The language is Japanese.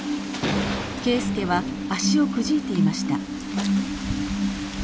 圭輔は足をくじいていました。